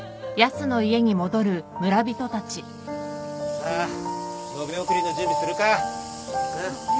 さあ野辺送りの準備するか。